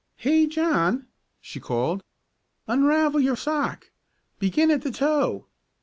"'Hey, John!' she called 'unravel your sock. Begin at the toe!'